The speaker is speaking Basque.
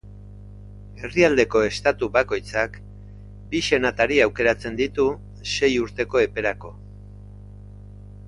Herrialdeko estatu bakoitzak, bi senatari aukeratzen ditu sei urteko eperako.